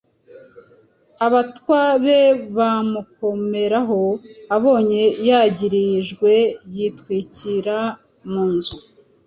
Abatwa be bamukomeraho, abonye yagirijwe yitwikira mu nzu